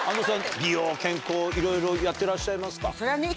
美容健康いろいろやってらっしゃいますか？